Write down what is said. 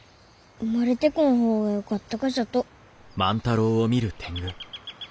生まれてこん方がよかった？